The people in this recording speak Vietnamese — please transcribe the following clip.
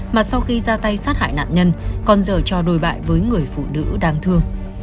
mà sau khi ra tay sát hại nạn nhân còn dở cho đối bại với người phụ nữ đáng thương